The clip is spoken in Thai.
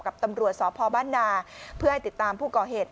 กับตำรวจสพบ้านนาเพื่อให้ติดตามผู้ก่อเหตุ